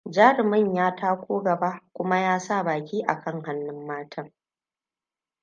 Jarumin ya tako gaba kuma ya sa baki akan hannu matan.